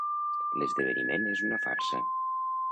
L'esdeveniment és una farsa.